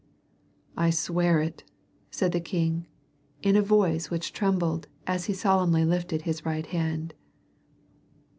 "I swear it," said the king in a voice which trembled as he solemnly lifted his right hand.